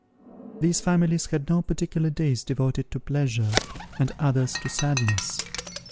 These families had no particular days devoted to pleasure, and others to sadness.